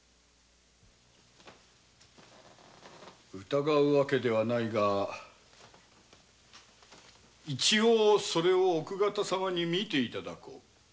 疑う訳ではないが一応それを奥方様に見て頂こう。